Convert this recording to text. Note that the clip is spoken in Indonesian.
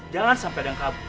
jangan sampai ada yang kamu